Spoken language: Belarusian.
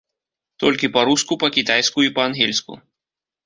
Толькі па-руску, па-кітайску і па-ангельску.